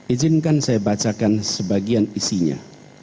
izinkan saya bacakan sebagian isinya